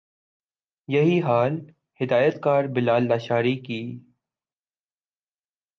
یہی حال ہدایت کار بلال لاشاری کی